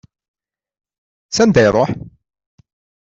S anda iruḥ?